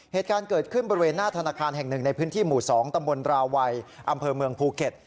เหตุการณ์เกิดขึ้นบริเวณหน้าธนาคารแห่งหนึ่งในพื้นที่หมู่๒ตำบลราวัยอำเภอเมืองภูเก็ต